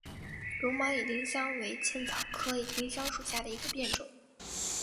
绒毛野丁香为茜草科野丁香属下的一个变种。